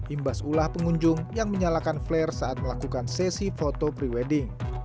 imbas ulah pengunjung yang menyalakan flare saat melakukan sesi foto pre wedding